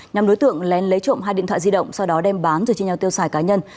nhóm đối tượng lén lấy trộm hai điện thoại di động sau đó đem bán rồi chia nhau tiêu xài cá nhân